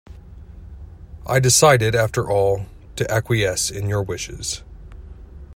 I decided, after all, to acquiesce in your wishes.